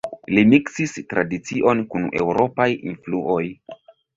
Li miksis tradicion kun eŭropaj influoj.